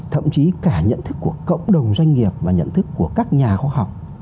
thậm chí cả nhận thức của cộng đồng doanh nghiệp và nhận thức của các nhà khoa học